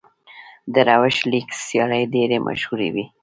د روشن لیګ سیالۍ ډېرې مشهورې وې.